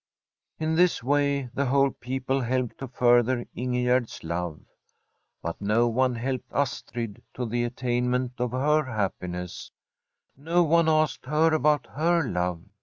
In this way the wbole people he^wd to farther lngtgtT4*% Vjvt. Btn no one helped Astrid to the attainment of her happiness; no one asked her abont her love.